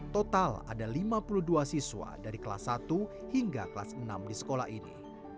total ada lima puluh dua siswa dari kelas satu hingga kelas enam di sekolah ini